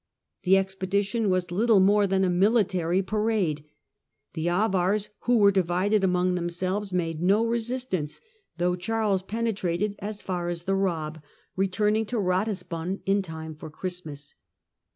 The expedition was little more than a military parade. The Avars, who were divided among themselves, made no resistance, though Charles penetrated as far as the Raab, returning to Eatisbon in time for Christmas.